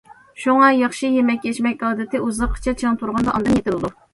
شۇڭا ياخشى يېمەك- ئىچمەك ئادىتى ئۇزاققىچە چىڭ تۇرغاندا، ئاندىن يېتىلىدۇ.